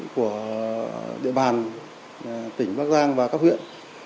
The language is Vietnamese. của địa bàn tỉnh bắc giang và các huyện